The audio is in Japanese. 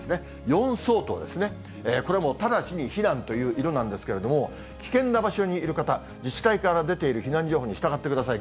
４相当ですね、これはもう直ちに避難という色なんですけれども、危険な場所にいる方、自治体から出ている避難情報に従ってください。